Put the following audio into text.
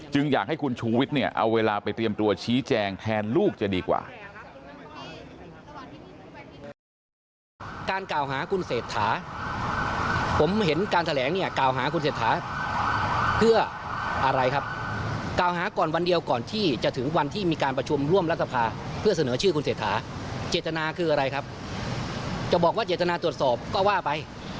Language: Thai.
จึงอยากให้คุณชุวิตเอาเวลาไปเตรียมตัวชี้แจงแทนลูกจะดีกว่า